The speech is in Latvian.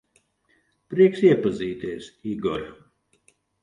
Prieks iepazīties, Igor.